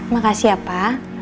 makasih ya pa